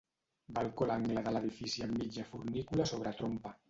Balcó a l'angle de l'edifici amb mitja fornícula sobre trompa.